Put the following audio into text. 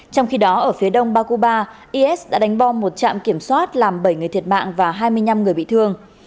trong khi đó ở phía đông ba cuba is đã đánh bom một trạm kiểm soát làm bảy người thiệt mạng và hai mươi năm người bị thương